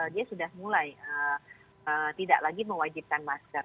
dia sudah mulai tidak lagi mewajibkan masker